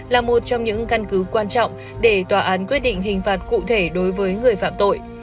là một trong những căn cứ quan trọng để tòa án quyết định hình phạt cụ thể đối với người phạm tội